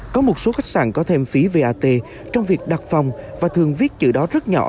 có một số khách sạn có thêm phí vat trong việc đặt phòng và thường viết chữ đó rất nhỏ